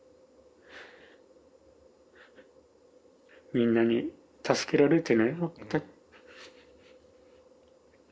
みんなに助けられてね。